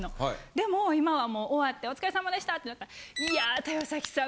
でも今はもう終わってお疲れ様でしたってなったらいや豊崎さん